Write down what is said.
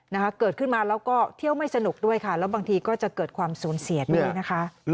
นะคะเกิดขึ้นมาแล้วก็เที่ยวไม่สนุกด้วยค่ะแล้วบางทีก็จะเกิดความสูญเสียด้วยนะคะ